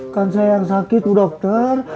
kan saya yang sakit tuh dokter